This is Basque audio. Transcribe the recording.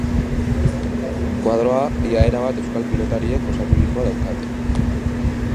Koadroa ia erabat euskal pilotariek osaturikoa daukate.